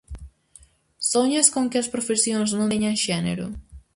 Soñas con que as profesións non teñan xénero?